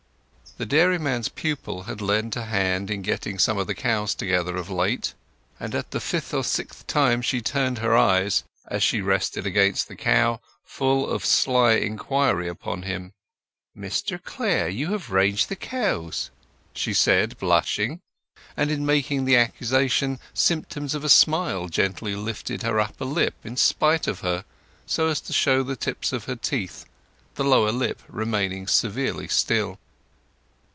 The dairyman's pupil had lent a hand in getting the cows together of late, and at the fifth or sixth time she turned her eyes, as she rested against the cow, full of sly inquiry upon him. "Mr Clare, you have ranged the cows!" she said, blushing; and in making the accusation, symptoms of a smile gently lifted her upper lip in spite of her, so as to show the tips of her teeth, the lower lip remaining severely still.